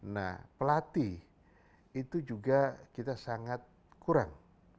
nah pelatih itu juga kita sangat kurang